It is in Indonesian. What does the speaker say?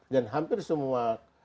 dan hampir semua